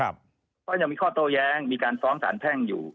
ก็ยังมีข้อโต้แย้งมีการฟ้องสารแพ่งอยู่